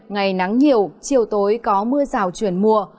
ngày nắng nhiều chiều tối có mưa rào chuyển mùa